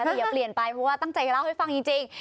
เดี๋ยวเปลี่ยนไปเพราะว่าตั้งใจจะเล่าให้ฟังจริง